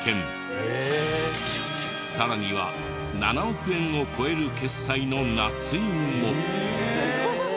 さらには７億円を超える決済の捺印も。